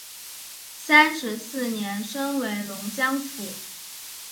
三十四年升为龙江府。